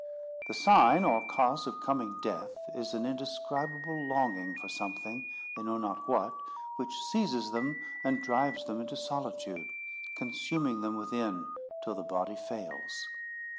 The sign or cause of coming death is an indescribable longing for something, they know not what, which seizes them, and drives them into solitude, consuming them within, till the body fails.